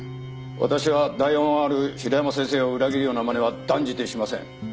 私は大恩ある平山先生を裏切るようなまねは断じてしません。